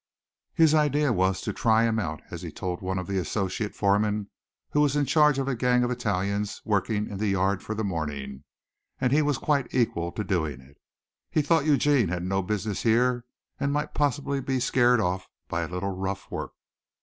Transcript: It was his idea to "try him out," as he told one of the associate foremen who was in charge of a gang of Italians working in the yard for the morning, and he was quite equal to doing it. He thought Eugene had no business here and might possibly be scared off by a little rough work.